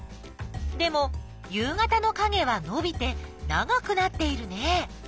でも夕方のかげはのびて長くなっているね。